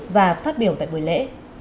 và phát biểu tại buổi lễ